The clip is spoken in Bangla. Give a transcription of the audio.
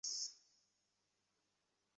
ছেলেরা, যাদের বয়স সবাই একটা থাই ফুটবল দলের সদস্য।